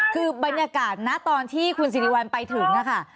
คือบรรยากาศนะตอนที่คุณสิริวัลไปถึงค่ะ